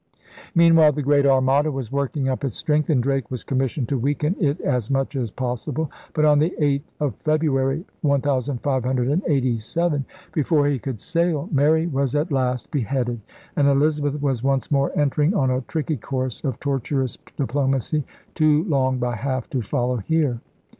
Meanwhile the Great Armada was working up its strength, and Drake was commissioned to weaken it as much as possible. But, on the 8th of February, 1587, before he could sail, Mary was DRAKE CLIPS THE WINGS OF SPAIN 165 at last beheaded, and Elizabeth was once more entering on a tricky course of tortuous diplomacy too long by half to follow here.